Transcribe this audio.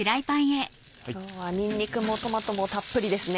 今日はにんにくもトマトもたっぷりですね。